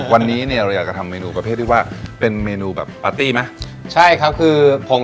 วันนี้เราอยากทำเมนูประเภทไปเป็นเมนูปฏิบายสักครั้ง